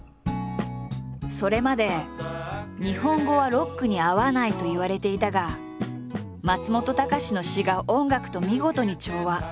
それまで日本語はロックに合わないといわれていたが松本隆の詞が音楽と見事に調和。